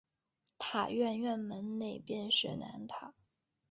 塔院院门内便是南塔。